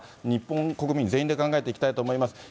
日本国民全員で考えていきたいと思います。